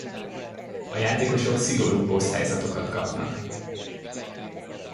A játékosok szigorúbb osztályzatokat kapnak.